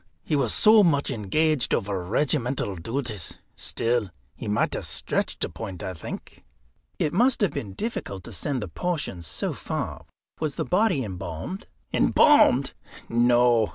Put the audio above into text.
He was so much engaged over regimental duties. Still, he might have stretched a point, I think." "It must have been difficult to send the portions so far. Was the body embalmed?" "Embalmed! no.